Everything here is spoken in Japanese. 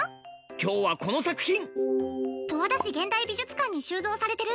今日はこの作品！